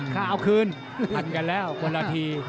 ถ้าเอาคืนทันกันแล้วคนละที